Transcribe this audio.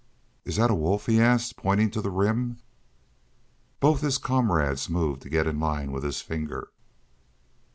"Is that a wolf?" he asked, pointing to the Rim. Both his comrades moved to get in line with his finger.